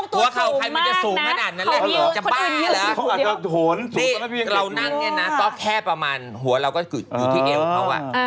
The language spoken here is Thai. หัวเข่าใครมันจะสูงขนาดนั้นแหละเขาอาจจะเรานั่งเนี่ยนะก็แค่ประมาณหัวเราก็อยู่ที่เอวเขา